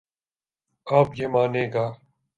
اب یہ مانے گا۔